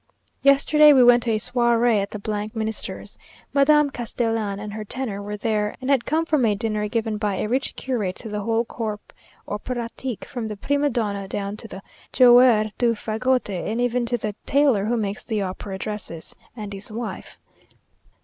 Yesterday we went to a soirée at the Minister's. Madame Castellan and her tenor were there, and had come from a dinner given by a rich curate to the whole corps operatique, from the prima donna down to the joueur du fagote, and even to the tailor who makes the opera dresses, and his wife.